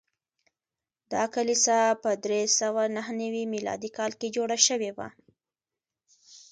دا کلیسا په درې سوه نهه نوي میلادي کال کې جوړه شوې وه.